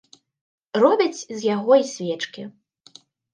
Робяць з яго і свечкі.